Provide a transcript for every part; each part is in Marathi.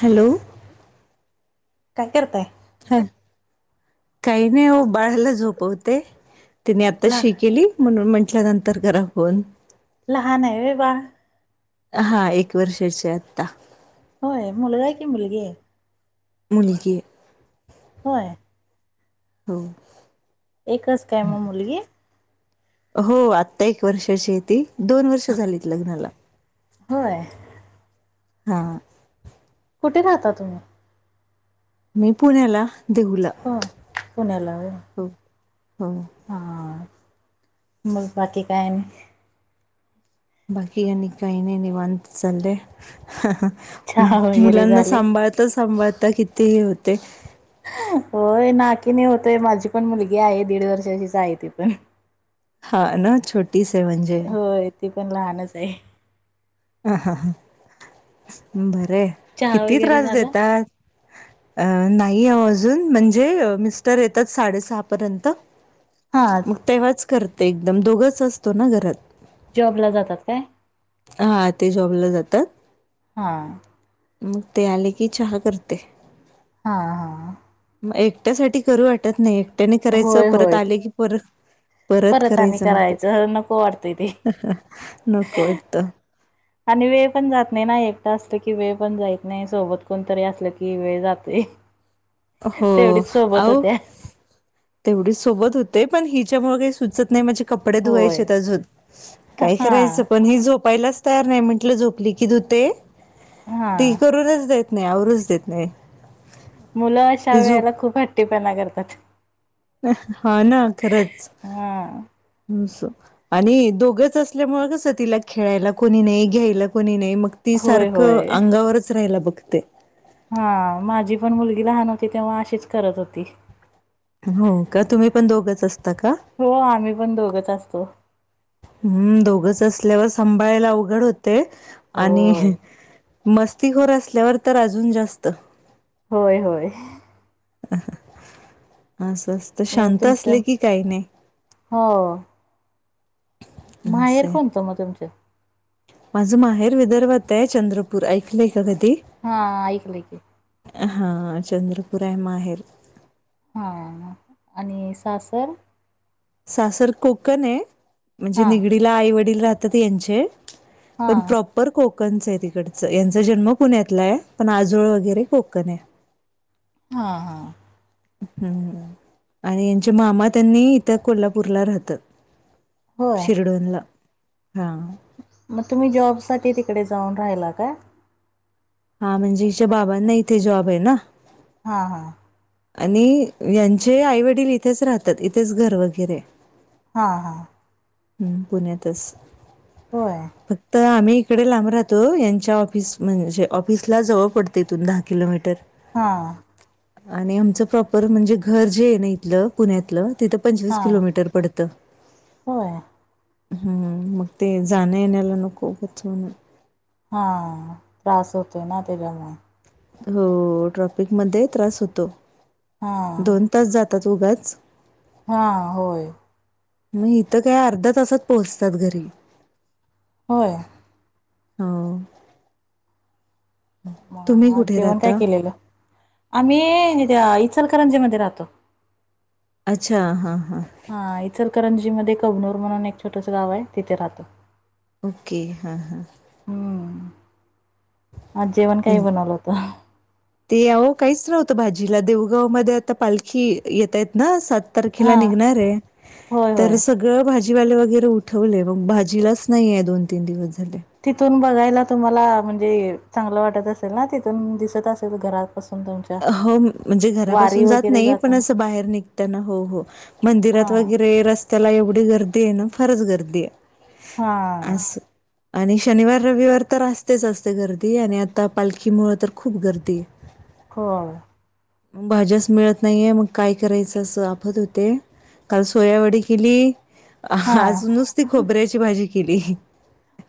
हॅलो, काय करताय? हॅ काही नाही ओ बाळाला झोपवते. तिने आता लहा शी केली, म्हणून म्हंटल नंतर करा फोन. लहाने होय बाळ? हा एक वर्षाची आता. होय? मुलगाये की मुलगीये? मुलगीये. होय? हो. एकच काय म मुलगी? हो आत्ता एक वर्षाची ती. दोन वर्ष झालीत लग्नाला. होय? हां. कुठे राहता तुम्ही? मी पुण्याला. देहूला होय, पुण्याला होय? हो हो हां, मग बाकी काय? बाकी आणि काय नाही निवांत चाललय. चहा वगैरे मुलांना झाले सांभाळता सांभाळता किती हे होते. [inaudible] होय ना. किनी होतय, माझी पण मुलगी आहे. दीड वर्षचीच आहे ती पण. हा ना? छोटीशी आहे म्हणजे. होय ती पण लाहानच आहे. अं ह ह, बरंय. चहा किती वगैरे त्रास झाला देतात! अ नाही आहे अजून, म्हणजे मिस्टर येतात साडेसहा पर्यंत. हा मग तेव्हाच करते एकदम दोघंच असतो ना घरात. जॉब ला जातात काय? हा ते जॉबला जातात. हा मग ते आले की चहा करते. हा हा. मग एकट्यासाठी करू वाटत नाही एकट्याने करायचं होय परत होय आले की परत परत परत करायचं नको करायच नको वाटतय ते नको वाटतं आणि वेळ पण जात नाही ना एकटा असलं की वेळ पण जायत नाही सोबत कोणतरी असलं की वेळ जाते. हो अहो तेवढी सोबत होती. ते पण हिच्यामुळे काही सुचत नाही माझे कपडे होय धुवायचे अजून काही करायचं हा. पण ह झोप. पहिलाच तयार नाही म्हटलं झोपली की तू ते हा ती करूनच देत. नाही आवरूरच देत नाही. मुलं अशा ती वेळेला झोप खूप हट्टीपणा करतात. हा ना खरंच. हा. आणि दोघंच असल्यामुळेच तिला खेळायला कोणी नाही घ्यायला कोणी नाही. मग ती होय सारखं होय अंगावरच राहिला बघते. हा माझी पण मुलगी लहान होती तेव्हा अशीच करत होती. हो का तुम्ही पण दोघच अस. हो आम्ही पण दोघच असतो. हम्म दोघंच असल्यावर सांभाळायला अवघड होते आणि होय. मस्तीखोर असल्यावर तर अजून जास्त हो हो. असच तर मग शांत तुमचं असले की काही नाही. हो माहेर असं आहे. कोणतं मग तुमचं. माझं माहेर विदर्भात आहे चंद्रपूर ऐकलंय का कधी हा ऐकलं की हा चंद्रपूर आहे माहेर हा आणि सासर. सासर कोकण आहे म्हणजे हा निगडीला आई वडील राहतात यांचे पण हा. प्रॉपर को कोकणच तिकडच यांचा जन्म पुण्यातला आहे पण आजोळ वगैरे कोकण आहे. हा हा. हम आणि यांच्या मामा त्यांनी इथं कोल्हापूरला राहत. होय शिर्डीला ला मग तुम्ही जॉब साठी तिकडे जाऊन राहिला का? हा म्हणजे हिच्या बाबांना इथे जॉब आहे ना. हा हा. आणि यांचे आई वडील इथेच राहतात इथेच घर वगैरे हा हा. हम्म पुण्यातच होय फक्त आम्ही तिकडे लांब राहतो यांच्या ऑफिस म्हणजे ऑफिसला जवळ पडते इथून दहा किलोमीटर हा. आणि आमचं प्रॉपर म्हणजे घर जे आहे ना इथलं पुण्यातलं. तिथं पंचवीस हा किलोमीटर पडतं. होय हम्म मग ते जाणं येण्याला ना खूपच म्हण. हा त्रास होतोय ना त्याच्यामुळे हो ट्रफिक मध्ये त्रास होतो हा दोन तास जात. तत उघच हा होय. मग इथं काय अर्धा तासात पोहोचतात घरी होय. हो. म तुम्ही आज कुठे जेवण काय राहता केलेलं? आम्ही अ इचलकरंजी मध्ये राहतो. अच्छा हा. हा इचलकरंजी मध्ये, कबनूर म्हणून एक छोटस गाव हाय तिथे राहतो. ओके हा हां. हम्म आज जेवण काही बनवलं होतं ते आओ काहीच न्हवत भाजी जिल्हा देहूगाव मध्ये आता पालखी ये येता येत ना सा तरखेला हा निघणार हाय, होय तर होय सगळं भाज जीवाले वगैरे उठवले, मग भाजीलाच नाहीेये दोन तीन दिवस झाले तिथून बघायला तुम्हाला म्हणजे चांगलं वाटत असेल ना, तिथून दिसत असेल घरात अ हो, म्हणजे घरापासून जात वगैरे नाही, पण जाताना अस बाहेर निघताना हो हो, हा मंदिरात वगैर रे रस्त्याला एवढी गर्दी आहे ना फारच गर्दी आहे. हा. असं आणि शनिवार, रविवार तर असतेच असते गर्दी आणि आता पालखीमुळं तर खूप गर्दी. हो. भाज्याच मिळत नाहीये मग काय करायचं असं आफत होते. काल सोयावडी केली, हा आज नुसती खोबऱ्याची भाजी केली.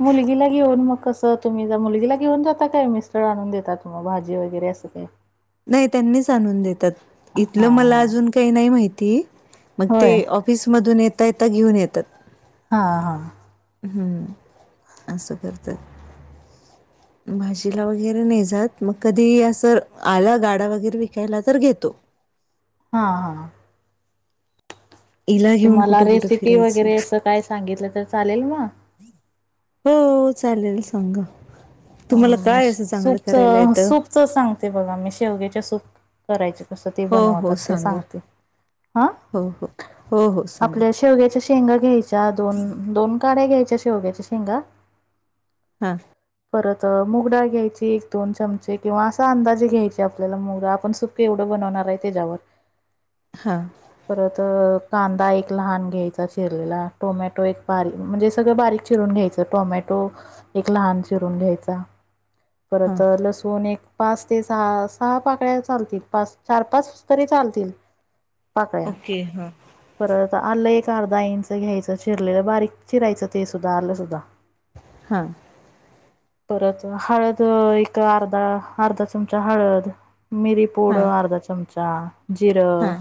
मुलगीला घेऊन मग कसं तुम्ही ज् मुलगीला घेऊन जाता काय, मिस्टर आणून देेतता मग भाजी वगैरे? कसं ते? नाही त्यांनीच आणून देतात, हा इथलं मला हा अजून काही नाही माहिती. मग ते होय ऑफिस मधून येता येता घेऊन येतात. हा हा. हम्म, असं करतात. [inaudible] भाजीला वगैरे नाही जात, मग कधी असं आला गाडा वगैरे विकायला तर घेतो. हा हा. हिला घेऊन तुम्हाला कुठं कुठं रेसिपी फिरायचं वगैरे असं काय सांगितलं तर चालेल म? हो हो चालेल सांगा. तुम्हाला काय असं चांगलं करायला सूपचं येतं सूपचं सांगते बघा मी, शेवग्याच्या सूप करायचे कसं ते हो हो बनवतात ते सांगा. सांगते. आ? हो हो हो हो सांगा आपल्या शेवग्याच्या शेंगा घ्यायच्या दोन, दोन काड्या घ्यायच्या शेवग्याच्या शेंगा हा. परत अ मुगडाळ घ्यायची एक दोन चमचे किंवा असा अंदाजे घ्यायची आपल्याला मुगडाळ, आपण सुप केवढं बनवणार आहे त्याच्यावर, हां परत अ कांदा एक लहान घ्यायचा चिरलेला टोमॅटो एक बारी,, म्हणजे सगळं बारीक चिरून घ्यायचं टोमॅटो तो एक लहान चिरून घ्यायचा, हां परत अ लसुण एक पाच ते सहा सहा पाकळ्या चालतील पाच चार पाच तरी चालतील. पाकळ्या ओके हां परत आलं ए चार दहा इंच घ्यायचं चिरलेलं बारीक चिरायचं ते सुद्धा आलं सुद्धा. हा. परत हळद एक अर्धा अर्धा चमचा हळद. मिरीपूड हां अर्धा चमचा जिरं. हां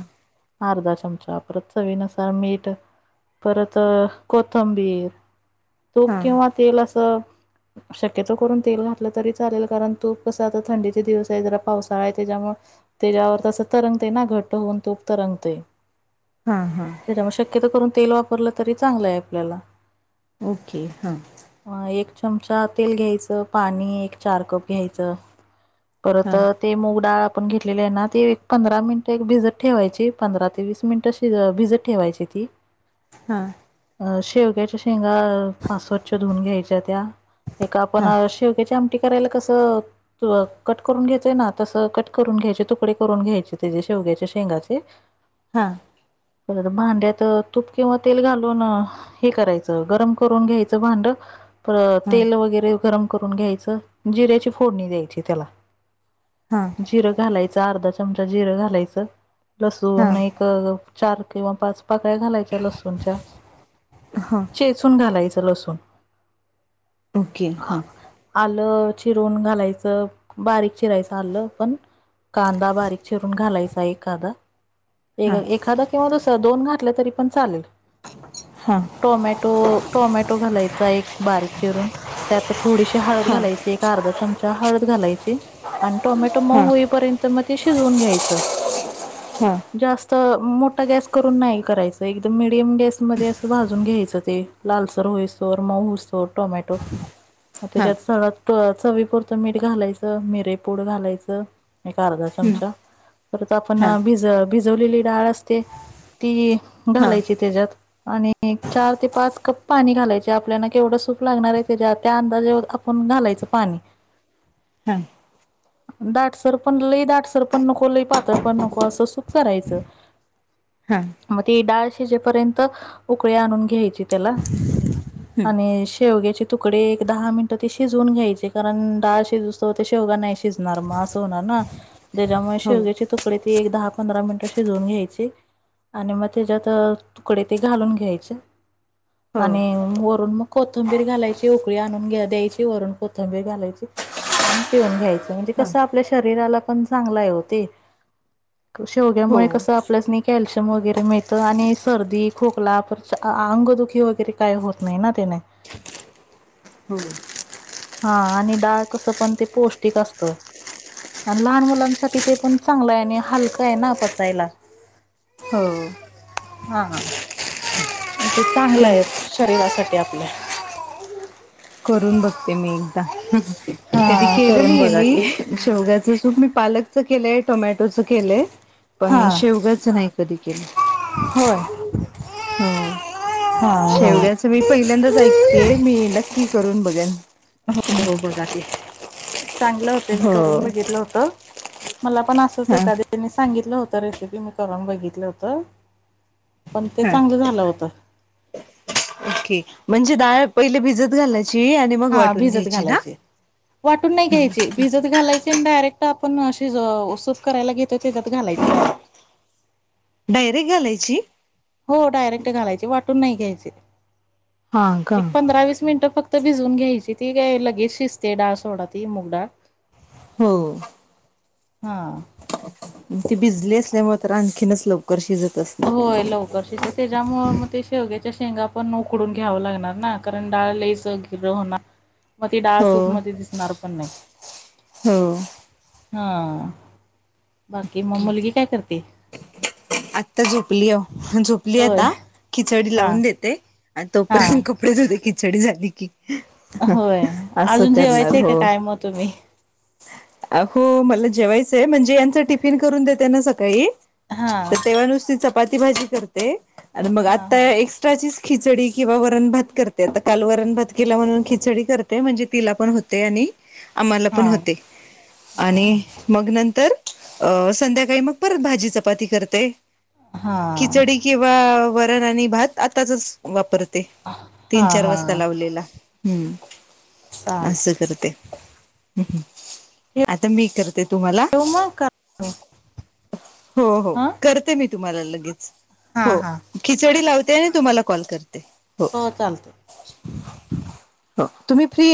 अर्धा चमचा परत चवी नुसार मीठ. परत अ कोथंबीर तूप हां किंवा तेल असं शक्यतो करून तेल घातलं तरी चालेल, कारण तूप कसं आता थंडीचे दिवस आहे जरा पावसाळा आहे त्याच्यामुळं त्याच्यावर तसं तरंगतय ना घट्ट होऊन तुप तरंगतय. हां हां त्याच्यामुळं शक्यतो करून तेल वापरलं तरी चांगलं आहे आपल्याला. ओके हा. एक चमचा तेल घ्यायचं पाणी एक चार कप घ्यायचं. परत हां अ ते मुगडाळ आपण घेतलेले आहे ना ते एक पंधरा मिनिटं एक भिजत ठेवायची, पंधरा ते वीस मिनिटं शी भिजत ठेवायची ती. हा. शेवग्याच्या शेंगा पा स्वच्छ धुून घ्यायच्या त्या एक आपण हां शेवग्याची आमटी आमटी करायला कस कट करून घेतोय ना, तस कट करून घ्याय तुकडे करून घ्यायचे त्याचे शेवग्याच्या शेंगाचे हा. परत भांड्यात तूप किंवा तेल घालून हे करायचं गरम करून घ्यायचं भांड हां हां तेल वगैरे गरम करून घ्यायचं जिऱ्याची फोडणी द्यायची त्याला हां जिरं घालायचं अर्धा चमचा जिरं घालायचं लसून हां एक चार किंवा पाच पाकळ्या घालायच्या, लसूणच्या चेचून घालायचा. त लसुन. ओके! हा. आपलं चिरून घालायचं, बारीक चिरायचं आलं पण कांदा बारीक चिरून घालायचा, एखादा हां एखादा किंवा दुसरा दोन घातले तरी चालेल हां टोमॅटो टोमॅटो घालायचा एक बारीक. चिरून त्यात थोडीशी हळद हां घालायची, एक अर्धा चमचा हळद घालायची आणि टोमॅटो मऊ हां होईपर्यंत मग ते शिजून घ्यायच, हां जास्त मोठा गॅस करून नाही करायचं, एकदम मीडियम गॅसमध्ये असं भाजून घ्यायचं ते लालसर होईस तोवर मऊ होईपर्यंत टोमॅटो, मग हां त्यात सगळं चवीपुरतं मीठ घालायचं मिरे पूड घालायचं, एक अर्धा हं चमचा. परत आपण हां भिज- भिजवलेली डाळ असते ती घालायची त्याच्यात आणि एक चार ते पाच कप पाणी घालायचे आपल्याला केवढं सूप लागणार आहे, त्या अंदाजे आपण घालायचं पाणी. हम. [inaudible] दाटसर पण लई दाटसर पण नको लई पातळ पण नको असं सुप करायचं. हां म ती डाळ शिजेपर्यंत उकळी आणून घ्याची त्याला आणि शेवग्याचे तुकडे एक दहा मिनिटं ते शिजून घ्यायचे, कारण डाळ शिजूस तोवर ते शेवगा नाही शिजणार मग असं होणार ना, त्याच्यामुळे हो शेवग्याचे तुकडे ते एक दहा पंधरा मिनिटं शिजवुन घ्यायची. आणि मग त्याच्यात अ तुकडे ते घालून घ्यायचे. हो आणि वरून मग कोत थंबीर घालायची, उकळी आणून घ द्यायची वरून कोथंबीर घालायची. आणि पिऊन घ्यायचं, म्हणजे हां कसं आपल्या शरीराला पण चांगलाय ओ ते. क हो शेवग्यामुळे कसं आपल्यासनी कॅल्शियम वगैरे मिळतं आणि सर्दी, खोकला परत आ आंगदुखी वगैरे काय होत नाही ना त्याने. हो हा आणि डाळ कसं पण ते पौष्टिक असतं. आणि लहान मुलांसाठी ते पण चांगलं आहे, आणि हलका आहे ना पचायला. हो हा हा. अन ते क चांगलंय शरीरासाठी आपल्या. करून बघते मी एकदा, कधी हा केलं करून नाहीये बघा मी की शेवग्या ते सुप मी पालकच केलंय. टोमॅटोच केलंय हा पण शेवग्याचं नाही कधी केलं. होय हो, हा हा शेवग्याचं मी पहिल्यांदाच ऐकतेय, मी नक्की करून बघेन. हो हो बघा की, चांगलं होतंय मी हो करून बघितलं होतं मला पण असंच हा एखाद्याने सांगितलं होतं रेसिपी, मी करून बघितलं होतं. पण ते हा चांगलं झालं होतं ठिक म्हणजे, डाळ पहिले भिजत घालायची. आणि मग हा वाटून भिजत घ्यायची ना घालायचे, वाटून नाही घ्यायचे भिजत घालायचे आणि डायरेक्ट आपण अशी अ सूप करायला घेतोय त्याच्यात घालायची डायरेक्ट. डायरेक्ट घालायची हो, डायरेक्ट घालायचे वाटून नाही घ्यायचे हा का एक पंधरा वीस मिनिटं फक्त भिजून घ्यायची ती काय लगेच शिजते डाळ सोडा ती मुग डाळ हो. हा. ती भिजली असल्यामुळे तर आणखीनच लवकर शिजलं होय, लवकर शिजते त्याच्यामुळ मग ते शेवग्या शेंगा पण उकडून घ्याव लागणार ना, कारण डाळ लईच गिर्र होणार. मग ते डाळ हो सूप मध्ये दिसणार पण नाही. हो हा बाकी म मुलगी काय करते? आत्ता झोपली, हो झोपली होय आता खिचडी हा लावून देते. हा. तोपर्यंत कपडे धुते खिचडी झाली की. होय, असं अजून करणार जेवायचंय का हो काय मग तुम्ही? हो, मला जेवायचंय म्हणजे यांच टिफिन करून देते ना सकाळी हा तर तेव्हा नुसती चपाती भाजी करते, आणि मग हा आता हा एक्सट्राचीच खिचडी किंवा वरण भात करते, आता काल वरण भात केला म्हणून खिचडी करते म्हणजे तिला पण होते आणि आम्हाला हा पण होतयं, आणि हा मग नंतर तर अ संध्याकाळी मग परत भाजी चपाती करते. हा खिचडी किंवा वरण आणि भात आताच च वापरत ते हा हा तीन चार हा वाजता लावलेला हम असं चालते करते. हम हम आता मी कर ते तुम्हाला, ठेवू मग हो हो. हा करते मी तुम्हाला लगेच हा हो हा खिचडी लावते, आणि तुम्हाला कॉल कर ते हो हो, तुम्ही फ्री